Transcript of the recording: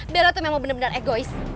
bella tuh memang bener bener egois